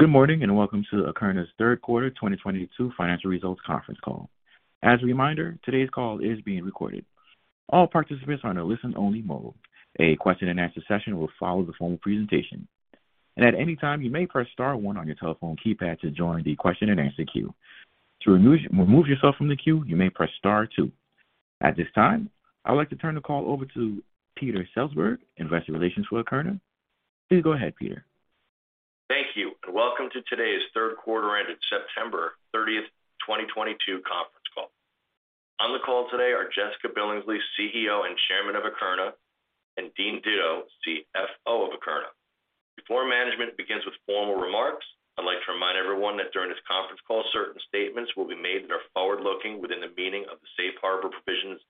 Good morning, and welcome to Akerna's third quarter 2022 financial results conference call. As a reminder, today's call is being recorded. All participants are in a listen-only mode. A question-and-answer session will follow the formal presentation. At any time, you may press star one on your telephone keypad to join the question-and-answer queue. To remove yourself from the queue, you may press star two. At this time, I would like to turn the call over to Peter Seltzberg, investor relations for Akerna. Please go ahead, Peter. Thank you, and welcome to today's third quarter ended September 30, 2022 conference call. On the call today are Jessica Billingsley, CEO and Chairman of Akerna, and Dean Ditto, CFO of Akerna. Before management begins with formal remarks, I'd like to remind everyone that during this conference call, certain statements will be made that are forward-looking within the meaning of the Safe Harbor provisions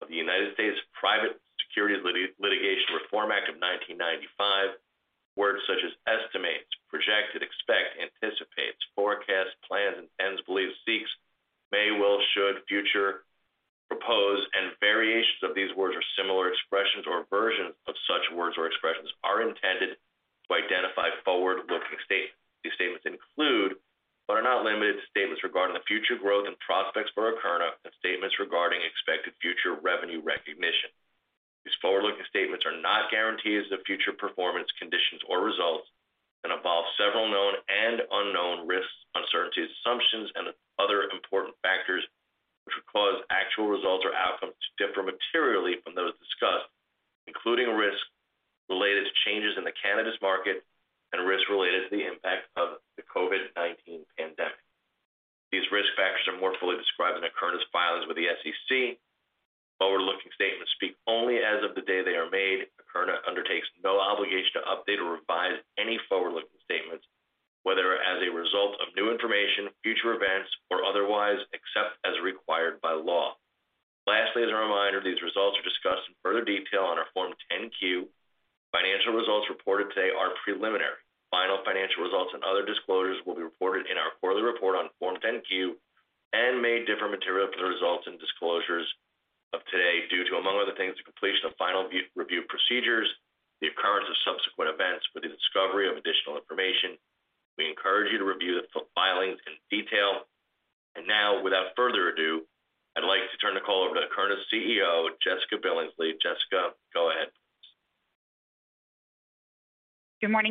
of the United States Private Securities Litigation Reform Act of 1995.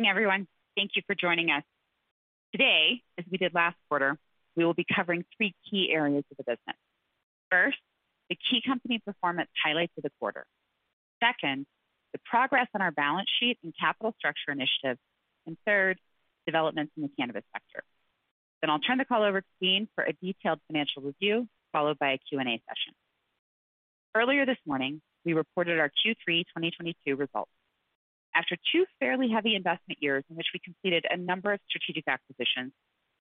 today due to, among other things, the completion of final review procedures, the occurrence of subsequent events, or the discovery of additional information. We encourage you to review the filings in detail. Now, without further ado, I'd like to turn the call over to Akerna's CEO, Jessica Billingsley. Jessica, go ahead. Good morning, everyone. Thank you for joining us. Today, as we did last quarter, we will be covering three key areas of the business. First, the key company performance highlights of the quarter. Second, the progress on our balance sheet and capital structure initiatives. Third, developments in the cannabis sector. I'll turn the call over to Dean for a detailed financial review, followed by a Q&A session. Earlier this morning, we reported our Q3 2022 results. After two fairly heavy investment years in which we completed a number of strategic acquisitions,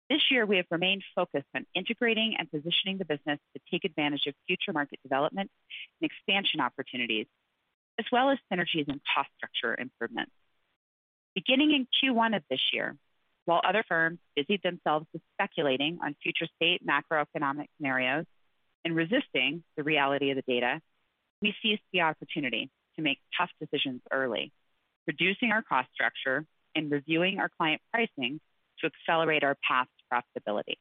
this year we have remained focused on integrating and positioning the business to take advantage of future market development and expansion opportunities, as well as synergies and cost structure improvements. Beginning in Q1 of this year, while other firms busied themselves with speculating on future state macroeconomic scenarios and resisting the reality of the data, we seized the opportunity to make tough decisions early, reducing our cost structure and reviewing our client pricing to accelerate our path to profitability.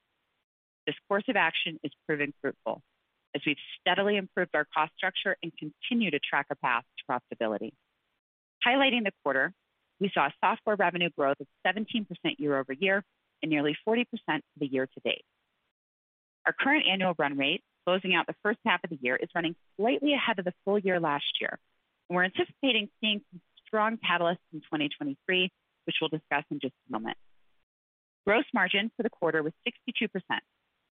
This course of action has proven fruitful as we've steadily improved our cost structure and continue to track a path to profitability. Highlighting the quarter, we saw software revenue growth of 17% year over year and nearly 40% for the year to date. Our current annual run rate closing out the first half of the year is running slightly ahead of the full year last year, and we're anticipating seeing some strong catalysts in 2023, which we'll discuss in just a moment. Gross margin for the quarter was 62%,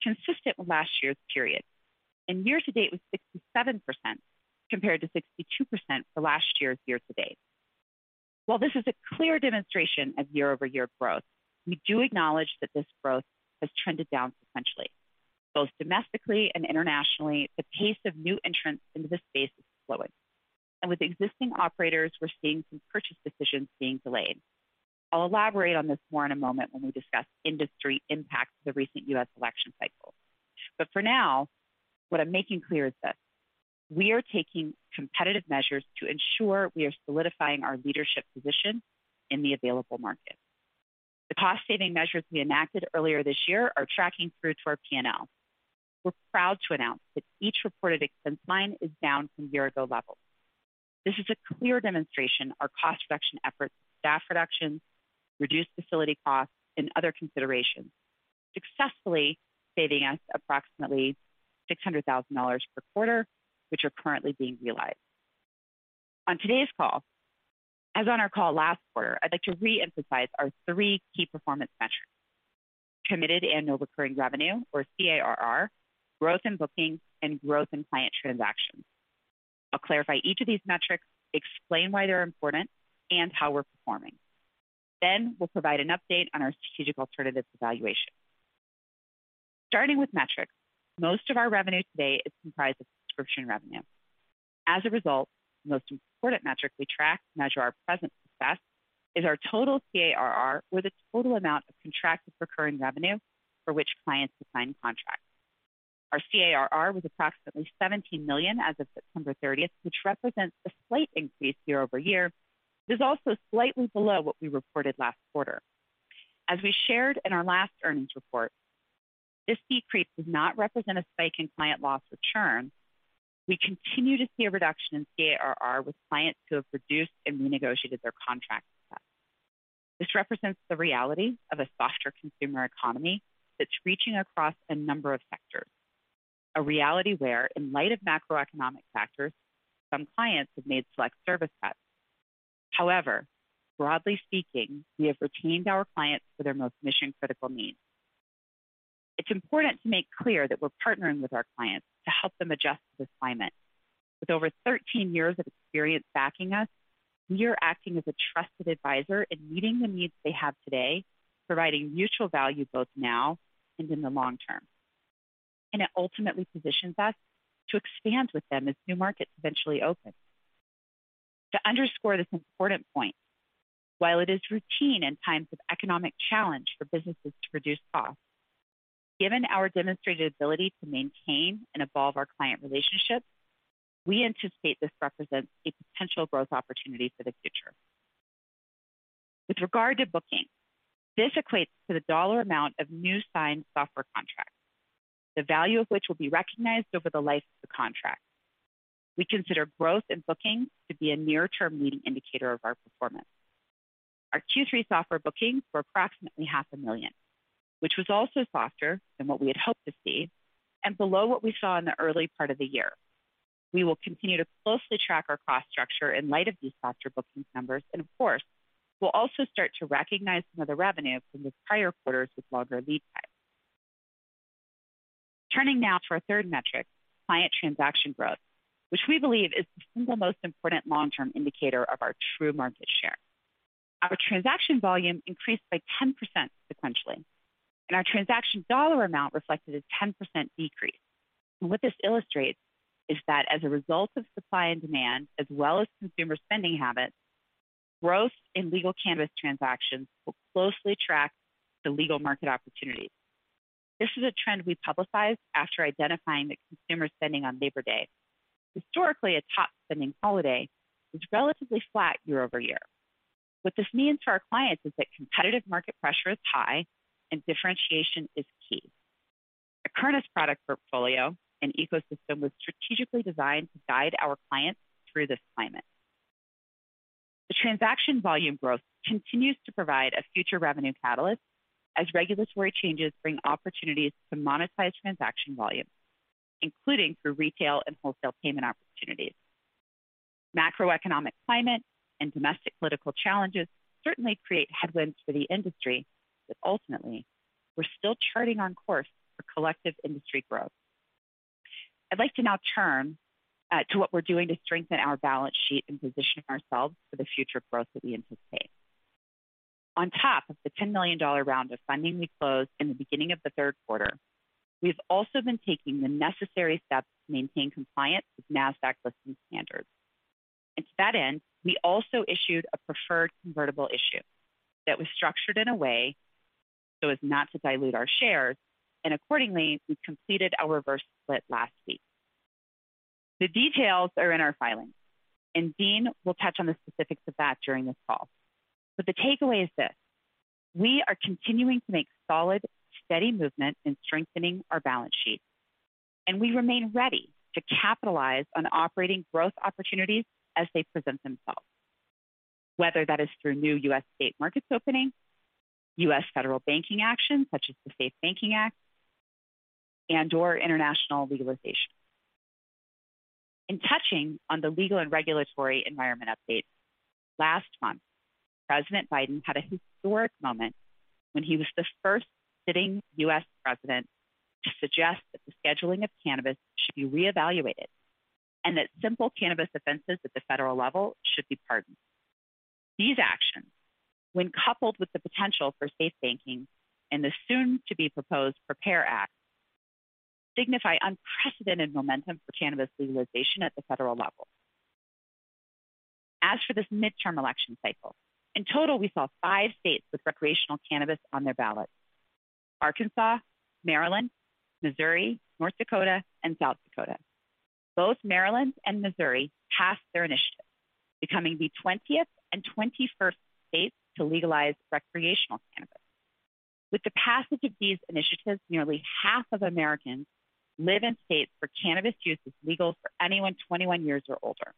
consistent with last year's period. Year to date was 67% compared to 62% for last year's year to date. While this is a clear demonstration of year-over-year growth, we do acknowledge that this growth has trended down sequentially. Both domestically and internationally, the pace of new entrants into this space is slowing. With existing operators, we're seeing some purchase decisions being delayed. I'll elaborate on this more in a moment when we discuss industry impacts of the recent U.S. election cycle. For now, what I'm making clear is this: We are taking competitive measures to ensure we are solidifying our leadership position in the available market. The cost-saving measures we enacted earlier this year are tracking through to our P&L. We're proud to announce that each reported expense line is down from year-ago levels. This is a clear demonstration of our cost reduction efforts, staff reductions, reduced facility costs, and other considerations, successfully saving us approximately $600,000 per quarter, which are currently being realized. On today's call, as on our call last quarter, I'd like to re-emphasize our three key performance metrics, committed annual recurring revenue, or CARR, growth in bookings, and growth in client transactions. I'll clarify each of these metrics, explain why they're important, and how we're performing. Then we'll provide an update on our strategic alternatives evaluation. Starting with metrics, most of our revenue today is comprised of subscription revenue. As a result, the most important metric we track to measure our present success is our total CARR or the total amount of contracted recurring revenue for which clients have signed contracts. Our CARR was approximately $17 million as of September 30, which represents a slight increase year-over-year, but is also slightly below what we reported last quarter. As we shared in our last earnings report, this decrease does not represent a spike in client loss or churn. We continue to see a reduction in CARR with clients who have reduced and renegotiated their contract with us. This represents the reality of a softer consumer economy that's reaching across a number of sectors. A reality where, in light of macroeconomic factors, some clients have made select service cuts. However, broadly speaking, we have retained our clients for their most mission-critical needs. It's important to make clear that we're partnering with our clients to help them adjust to this climate. With over 13 years of experience backing us, we are acting as a trusted advisor in meeting the needs they have today, providing mutual value both now and in the long term, and it ultimately positions us to expand with them as new markets eventually open. To underscore this important point, while it is routine in times of economic challenge for businesses to reduce costs, given our demonstrated ability to maintain and evolve our client relationships, we anticipate this represents a potential growth opportunity for the future. With regard to bookings, this equates to the dollar amount of new signed software contracts, the value of which will be recognized over the life of the contract. We consider growth in bookings to be a near-term leading indicator of our performance. Our Q3 software bookings were approximately $0.5 million, which was also softer than what we had hoped to see and below what we saw in the early part of the year. We will continue to closely track our cost structure in light of these softer booking numbers, and of course, we'll also start to recognize some of the revenue from the prior quarters with longer lead times. Turning now to our third metric, client transaction growth, which we believe is the single most important long-term indicator of our true market share. Our transaction volume increased by 10% sequentially, and our transaction dollar amount reflected a 10% decrease. What this illustrates is that as a result of supply and demand, as well as consumer spending habits, growth in legal cannabis transactions will closely track the legal market opportunities. This is a trend we publicized after identifying that consumer spending on Labor Day, historically a top spending holiday, was relatively flat year over year. What this means for our clients is that competitive market pressure is high and differentiation is key. The Akerna product portfolio and ecosystem was strategically designed to guide our clients through this climate. The transaction volume growth continues to provide a future revenue catalyst as regulatory changes bring opportunities to monetize transaction volume, including through retail and wholesale payment opportunities. Macroeconomic climate and domestic political challenges certainly create headwinds for the industry, but ultimately, we're still charting our course for collective industry growth. I'd like to now turn to what we're doing to strengthen our balance sheet and position ourselves for the future growth that we anticipate. On top of the $10 million round of funding we closed in the beginning of the third quarter, we've also been taking the necessary steps to maintain compliance with Nasdaq listing standards. To that end, we also issued a preferred convertible issue that was structured in a way so as not to dilute our shares, and accordingly, we completed our reverse split last week. The details are in our filings, and Dean will touch on the specifics of that during this call. The takeaway is this. We are continuing to make solid, steady movement in strengthening our balance sheet, and we remain ready to capitalize on operating growth opportunities as they present themselves, whether that is through new U.S. state markets opening, U.S. federal banking action such as the SAFE Banking Act, and/or international legalization. In touching on the legal and regulatory environment update, last month, President Biden had a historic moment when he was the first sitting U.S. president to suggest that the scheduling of cannabis should be reevaluated and that simple cannabis offenses at the federal level should be pardoned. These actions, when coupled with the potential for state banking and the soon-to-be-proposed PREPARE Act, signify unprecedented momentum for cannabis legalization at the federal level. As for this midterm election cycle, in total, we saw 5 states with recreational cannabis on their ballots, Arkansas, Maryland, Missouri, North Dakota, and South Dakota. Both Maryland and Missouri passed their initiatives, becoming the 20th and 21st states to legalize recreational cannabis. With the passage of these initiatives, nearly half of Americans live in states where cannabis use is legal for anyone 21 years or older.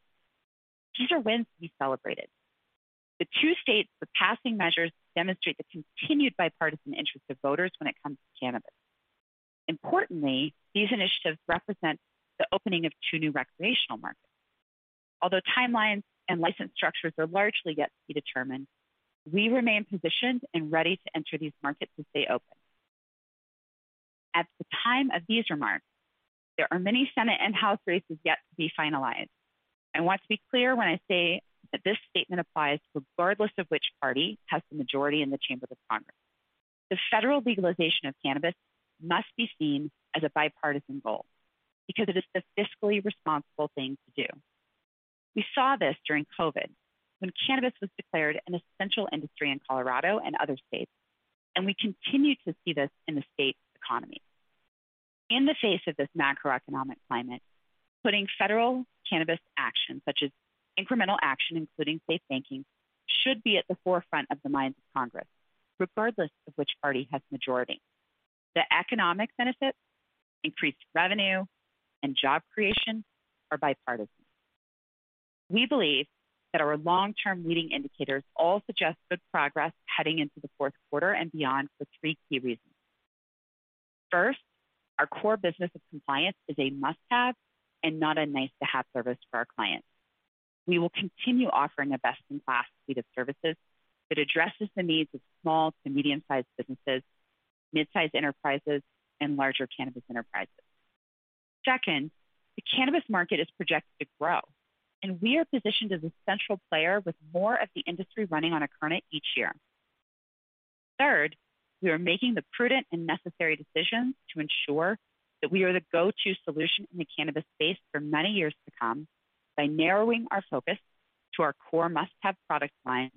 These are wins to be celebrated. The two states with passing measures demonstrate the continued bipartisan interest of voters when it comes to cannabis. Importantly, these initiatives represent the opening of two new recreational markets. Although timelines and license structures are largely yet to be determined, we remain positioned and ready to enter these markets as they open. At the time of these remarks, there are many Senate and House races yet to be finalized. I want to be clear when I say that this statement applies regardless of which party has the majority in the Chamber of Congress. The federal legalization of cannabis must be seen as a bipartisan goal because it is the fiscally responsible thing to do. We saw this during COVID when cannabis was declared an essential industry in Colorado and other states, and we continue to see this in the state's economy. In the face of this macroeconomic climate, putting federal cannabis action, such as incremental action, including SAFE Banking, should be at the forefront of the minds of Congress, regardless of which party has majority. The economic benefits, increased revenue, and job creation are bipartisan. We believe that our long-term leading indicators all suggest good progress heading into the fourth quarter and beyond for three key reasons. First, our core business of compliance is a must-have and not a nice-to-have service for our clients. We will continue offering a best-in-class suite of services that addresses the needs of small to medium-sized businesses, mid-sized enterprises, and larger cannabis enterprises. Second, the cannabis market is projected to grow, and we are positioned as an essential player with more of the industry running on Akerna each year. Third, we are making the prudent and necessary decisions to ensure that we are the go-to solution in the cannabis space for many years to come by narrowing our focus to our core must-have product lines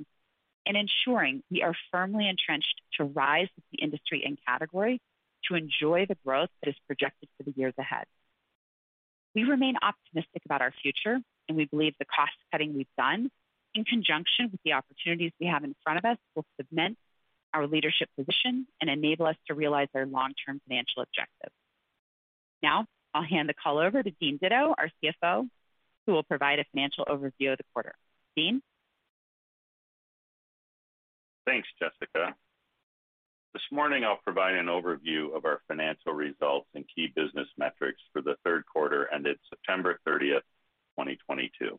and ensuring we are firmly entrenched to rise with the industry and category to enjoy the growth that is projected for the years ahead. We remain optimistic about our future, and we believe the cost-cutting we've done in conjunction with the opportunities we have in front of us will cement our leadership position and enable us to realize our long-term financial objectives. Now I'll hand the call over to Dean Ditto, our CFO, who will provide a financial overview of the quarter. Dean? Thanks, Jessica. This morning, I'll provide an overview of our financial results and key business metrics for the third quarter ended September 30, 2022.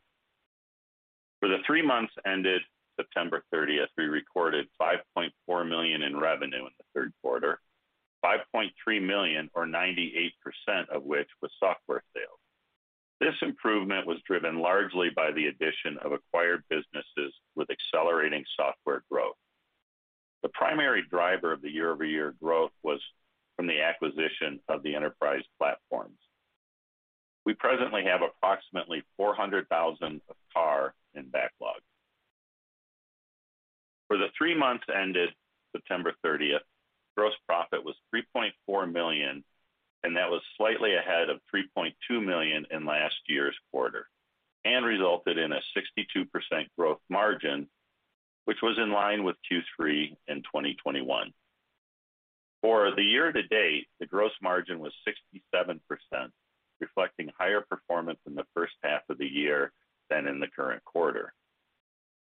For the three months ended September 30, we recorded $5.4 million in revenue in the third quarter, $5.3 million, or 98% of which was software sales. This improvement was driven largely by the addition of acquired businesses with accelerating software growth. The primary driver of the year-over-year growth was from the acquisition of the enterprise platforms. We presently have approximately $400,000 of CARR in backlog. For the three months ended September 30, gross profit was $3.4 million, and that was slightly ahead of $3.2 million in last year's quarter and resulted in a 62% gross margin, which was in line with Q3 in 2021. For the year-to-date, the gross margin was 67%, reflecting higher performance in the first half of the year than in the current quarter.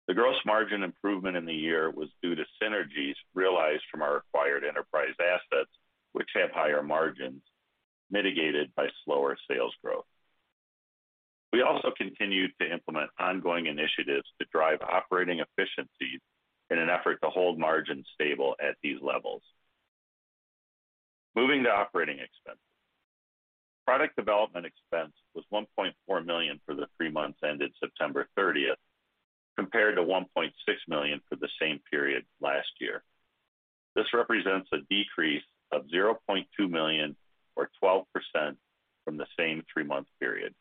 The gross margin improvement in the year was due to synergies realized from our acquired enterprise assets, which have higher margins mitigated by slower sales growth. We also continued to implement ongoing initiatives to drive operating efficiencies in an effort to hold margins stable at these levels. Moving to operating expense. Product development expense was $1.4 million for the three months ended September 30, compared to $1.6 million for the same period last year. This represents a decrease of $0.2 million or 12% from the same three-month period.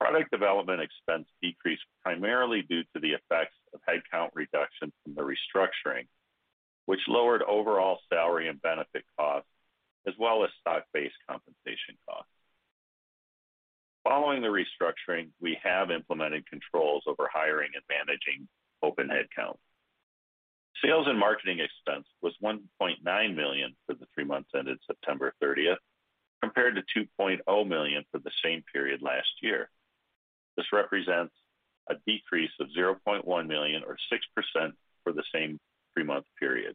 Product development expense decreased primarily due to the effects of headcount reduction from the restructuring, which lowered overall salary and benefit costs as well as stock-based compensation costs. Following the restructuring, we have implemented controls over hiring and managing open headcount. Sales and marketing expense was $1.9 million for the three months ended September 30, compared to $2.0 million for the same period last year. This represents a decrease of $0.1 million or 6% for the same three-month period.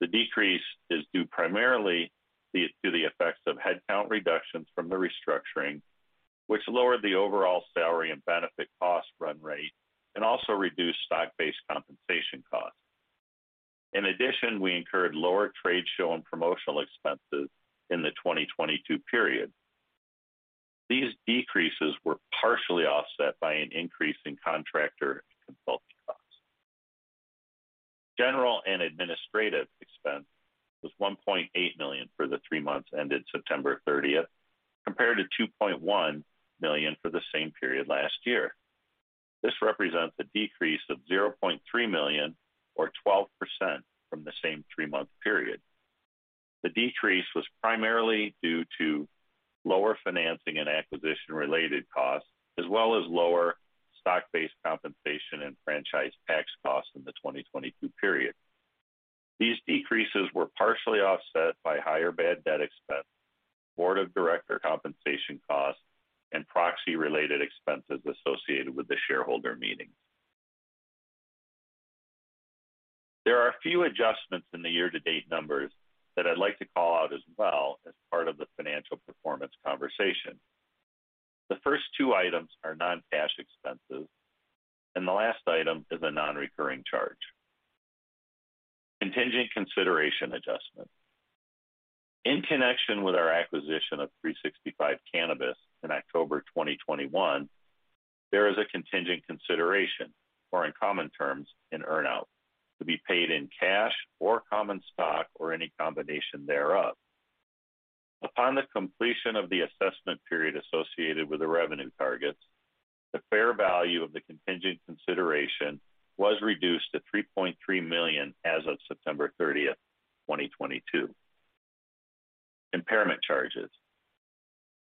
The decrease is due primarily to the effects of headcount reductions from the restructuring, which lowered the overall salary and benefit cost run rate and also reduced stock-based compensation costs. In addition, we incurred lower trade show and promotional expenses in the 2022 period. These decreases were partially offset by an increase in contractor and consulting costs. General and administrative expense was $1.8 million for the three months ended September 30, compared to $2.1 million for the same period last year. This represents a decrease of $0.3 million or 12% from the same three-month period. The decrease was primarily due to lower financing and acquisition-related costs, as well as lower stock-based compensation and franchise tax costs in the 2022 period. These decreases were partially offset by higher bad debt expense, board of director compensation costs, and proxy-related expenses associated with the shareholder meeting. There are a few adjustments in the year-to-date numbers that I'd like to call out as well as part of the financial performance conversation. The first two items are non-cash expenses, and the last item is a non-recurring charge. Contingent consideration adjustment. In connection with our acquisition of 365 Cannabis in October 2021, there is a contingent consideration, or in common terms, an earn-out, to be paid in cash or common stock or any combination thereof. Upon the completion of the assessment period associated with the revenue targets, the fair value of the contingent consideration was reduced to $3.3 million as of September 30, 2022. Impairment charges.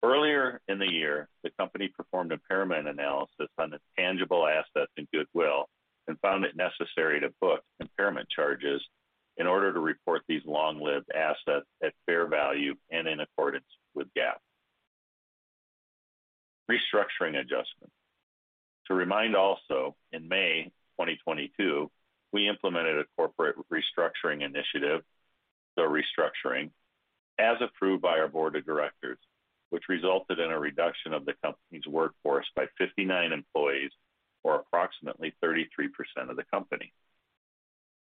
Earlier in the year, the company performed impairment analysis on its tangible assets and goodwill, and found it necessary to book impairment charges in order to report these long-lived assets at fair value and in accordance with GAAP. Restructuring adjustment. To remind also, in May 2022, we implemented a corporate restructuring initiative, the restructuring, as approved by our board of directors, which resulted in a reduction of the company's workforce by 59 employees, or approximately 33% of the company.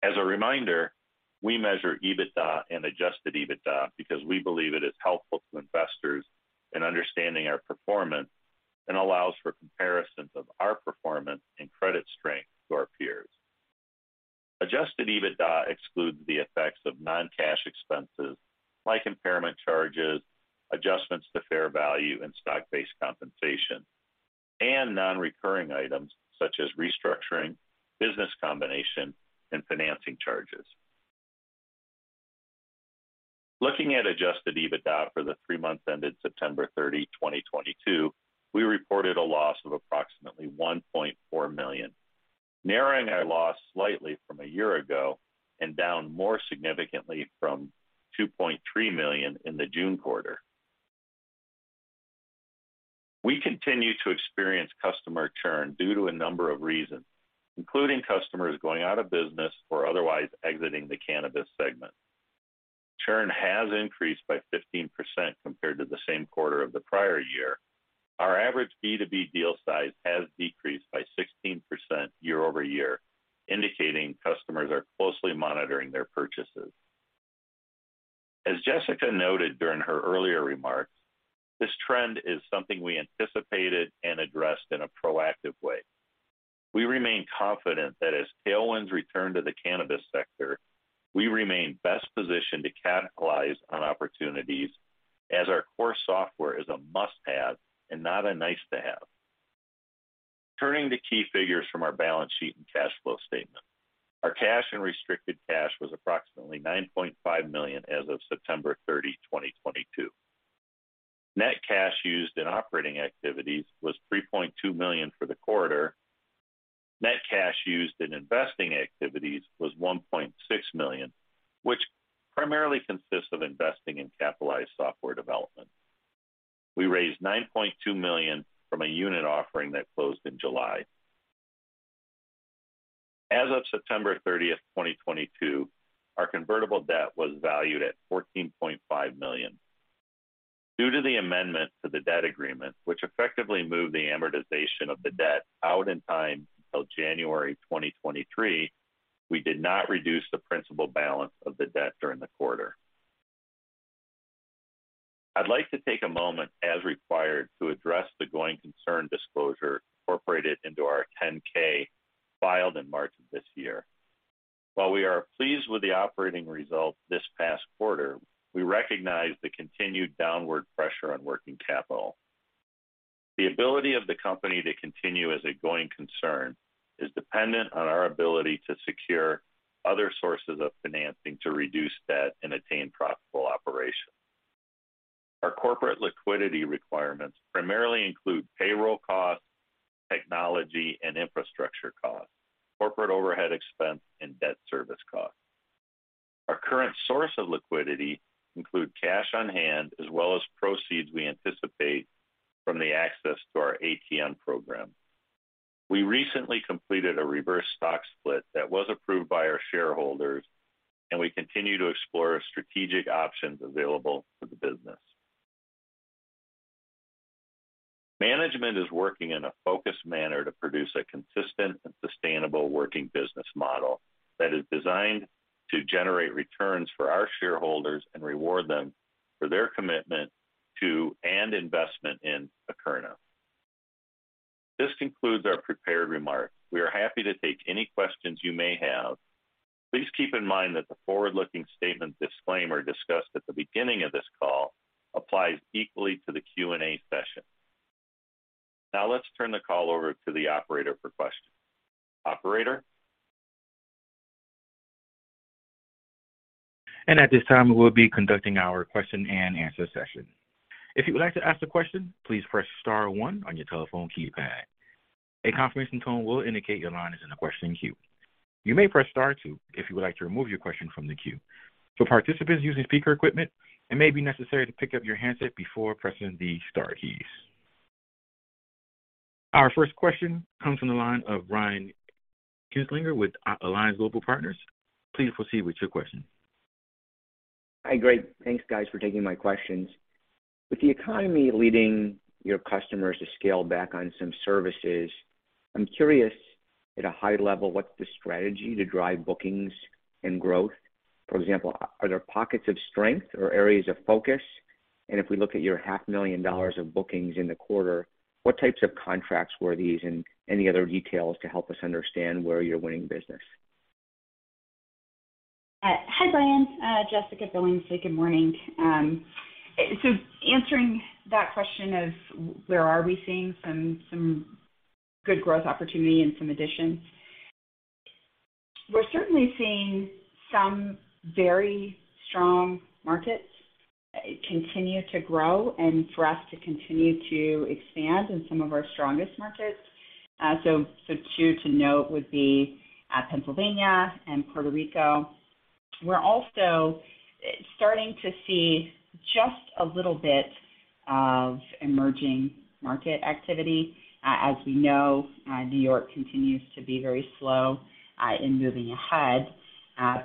As a reminder, we measure EBITDA and Adjusted EBITDA because we believe it is helpful to investors in understanding our performance and allows for comparisons of our performance and credit strength to our peers. Adjusted EBITDA excludes the effects of non-cash expenses like impairment charges, adjustments to fair value and stock-based compensation, and non-recurring items such as restructuring, business combination, and financing charges. Looking at Adjusted EBITDA for the three months ended September 30, 2022, we reported a loss of approximately $1.4 million, narrowing our loss slightly from a year ago and down more significantly from $2.3 million in the June quarter. We continue to experience customer churn due to a number of reasons, including customers going out of business or otherwise exiting the cannabis segment. Churn has increased by 15% compared to the same quarter of the prior year. Our average B2B deal size has decreased by 16% year-over-year, indicating customers are closely monitoring their purchases. As Jessica noted during her earlier remarks, this trend is something we anticipated and addressed in a proactive way. We remain confident that as tailwinds return to the cannabis sector, we remain best positioned to capitalize on opportunities as our core software is a must-have and not a nice-to-have. Turning to key figures from our balance sheet and cash flow statement. Our cash and restricted cash was approximately $9.5 million as of September 30, 2022. Net cash used in operating activities was $3.2 million for the quarter. Net cash used in investing activities was $1.6 million, which primarily consists of investing in capitalized software development. We raised $9.2 million from a unit offering that closed in July. As of September 30, 2022, our convertible debt was valued at $14.5 million. Due to the amendment to the debt agreement, which effectively moved the amortization of the debt out in time till January 2023, we did not reduce the principal balance of the debt during the quarter. I'd like to take a moment, as required, to address the going concern disclosure incorporated into our 10-K filed in March of this year. While we are pleased with the operating results this past quarter, we recognize the continued downward pressure on working capital. The ability of the company to continue as a going concern is dependent on our ability to secure other sources of financing to reduce debt and attain profitable operations. Our corporate liquidity requirements primarily include payroll costs, technology and infrastructure costs, corporate overhead expense, and debt service costs. Our current sources of liquidity include cash on hand as well as proceeds we anticipate from the access to our ATM program. We recently completed a reverse stock split that was approved by our shareholders, and we continue to explore strategic options available for the business. Management is working in a focused manner to produce a consistent and sustainable working business model that is designed to generate returns for our shareholders and reward them for their commitment to, and investment in, Akerna. This concludes our prepared remarks. We are happy to take any questions you may have. Please keep in mind that the forward-looking statement disclaimer discussed at the beginning of this call applies equally to the Q&A session. Now let's turn the call over to the operator for questions. Operator? At this time, we'll be conducting our question and answer session. If you would like to ask a question, please press star one on your telephone keypad. A confirmation tone will indicate your line is in the question queue. You may press star two if you would like to remove your question from the queue. For participants using speaker equipment, it may be necessary to pick up your handset before pressing the star keys. Our first question comes from the line of Brian Kinstlinger with Alliance Global Partners. Please proceed with your question. Hi, Greg. Thanks, guys, for taking my questions. With the economy leading your customers to scale back on some services, I'm curious, at a high level, what's the strategy to drive bookings and growth? For example, are there pockets of strength or areas of focus? If we look at your half million dollars of bookings in the quarter, what types of contracts were these and any other details to help us understand where you're winning business? Hi, Brian. Jessica Billingsley. Good morning. Answering that question of where are we seeing some good growth opportunity and some additions, we're certainly seeing some very strong markets continue to grow and for us to continue to expand in some of our strongest markets. Two to note would be Pennsylvania and Puerto Rico. We're also starting to see just a little bit of emerging market activity. As we know, New York continues to be very slow in moving ahead.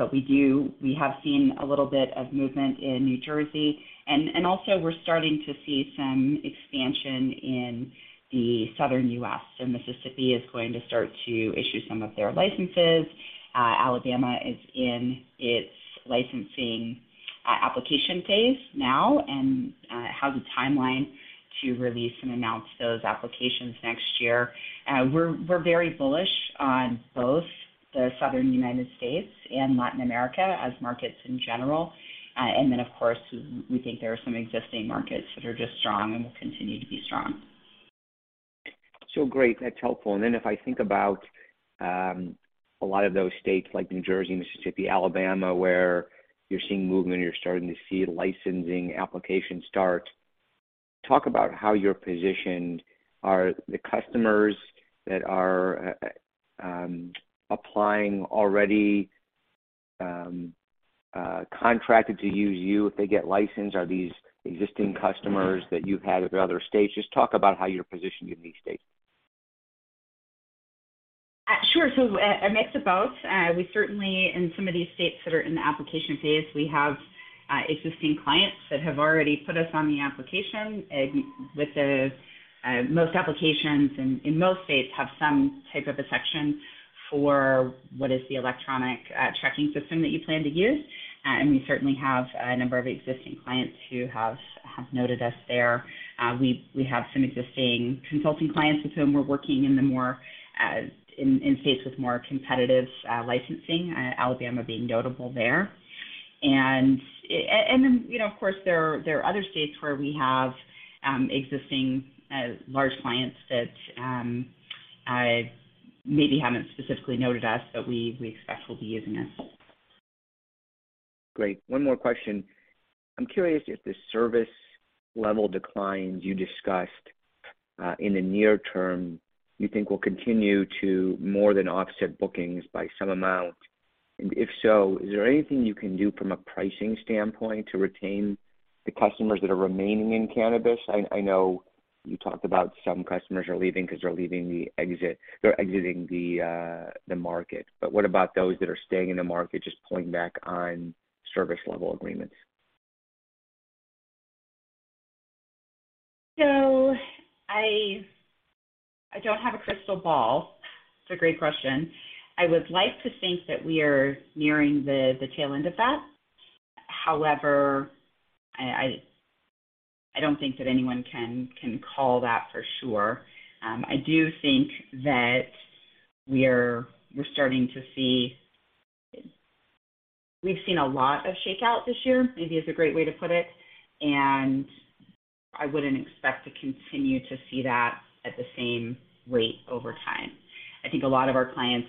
We have seen a little bit of movement in New Jersey, and also we're starting to see some expansion in the Southern US. Mississippi is going to start to issue some of their licenses. Alabama is in its licensing application phase now and has a timeline to release and announce those applications next year. We're very bullish on both the Southern United States and Latin America as markets in general. Of course we think there are some existing markets that are just strong and will continue to be strong. Great. That's helpful. Then if I think about a lot of those states like New Jersey, Mississippi, Alabama, where you're seeing movement, you're starting to see licensing applications start. Talk about how you're positioned. Are the customers that are applying already contracted to use you if they get licensed? Are these existing customers that you've had at other states? Just talk about how you're positioned in these states. Sure. A mix of both. We certainly in some of these states that are in the application phase, we have existing clients that have already put us on the application. With the most applications in most states have some type of a section for what is the electronic tracking system that you plan to use. We certainly have a number of existing clients who have noted us there. We have some existing consulting clients with whom we're working in the more in states with more competitive licensing, Alabama being notable there. You know, of course, there are other states where we have existing large clients that maybe haven't specifically noted us, but we expect will be using us. Great. One more question. I'm curious if the service level declines you discussed in the near term you think will continue to more than offset bookings by some amount? If so, is there anything you can do from a pricing standpoint to retain the customers that are remaining in cannabis? I know you talked about some customers are leaving because they're exiting the market. What about those that are staying in the market, just pulling back on service level agreements? I don't have a crystal ball. It's a great question. I would like to think that we are nearing the tail end of that. However, I don't think that anyone can call that for sure. I do think that we're starting to see. We've seen a lot of shakeout this year, maybe that's a great way to put it, and I wouldn't expect to continue to see that at the same rate over time. I think a lot of our clients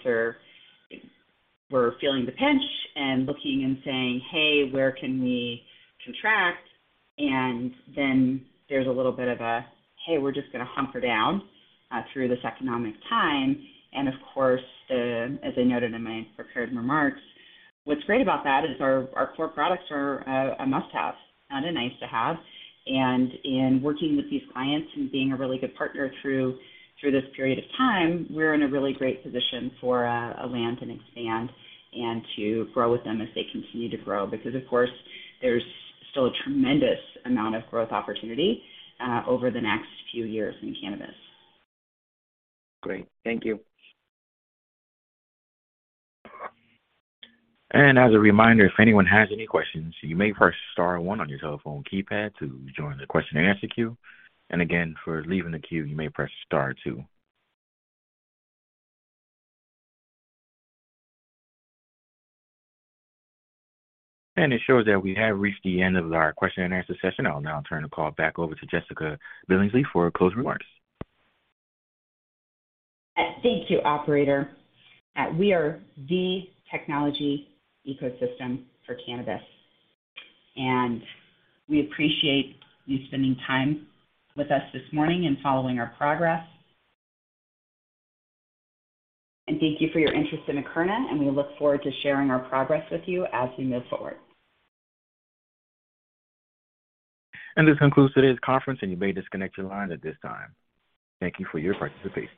were feeling the pinch and looking and saying, "Hey, where can we contract?" There's a little bit of a, "Hey, we're just going to hunker down through this economic time." Of course, as I noted in my prepared remarks, what's great about that is our core products are a must-have, not a nice to have. In working with these clients and being a really good partner through this period of time, we're in a really great position for a land and expand and to grow with them as they continue to grow. Of course, there's still a tremendous amount of growth opportunity over the next few years in cannabis. Great. Thank you. As a reminder, if anyone has any questions, you may press star one on your telephone keypad to join the question and answer queue. Again, for leaving the queue, you may press star two. It shows that we have reached the end of our question and answer session. I'll now turn the call back over to Jessica Billingsley for closing remarks. Thank you, operator. We are the technology ecosystem for cannabis, and we appreciate you spending time with us this morning and following our progress. Thank you for your interest in Akerna, and we look forward to sharing our progress with you as we move forward. This concludes today's conference, and you may disconnect your line at this time. Thank you for your participation.